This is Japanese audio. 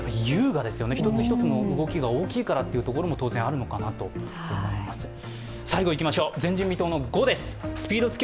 優雅ですよね、一つ一つの動きが大きいからということも当然あるのかなと思います。